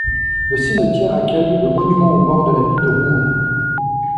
Le cimetière accueille le monument aux morts de la ville de Rouen.